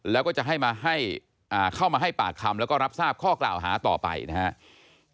แล้วก็จะให้เข้ามาให้ปากคำแล้วก็รับทราบข้อกล่าวหาต่อไปนะครับ